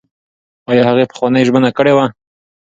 ایا هغې پخوانۍ ژمنه کړې وه؟